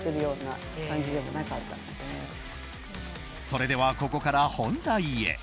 それではここから本題へ。